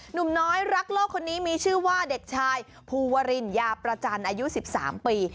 หนุ่มน้อยรักโลกคนนี้มีชื่อว่าเด็กชายภูวรินยาประจันทร์อายุ๑๓ปี